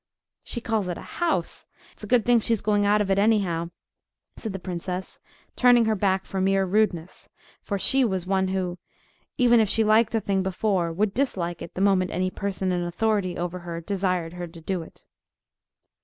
"She calls it a house!—It's a good thing she's going out of it anyhow!" said the princess, turning her back for mere rudeness, for she was one who, even if she liked a thing before, would dislike it the moment any person in authority over her desired her to do it.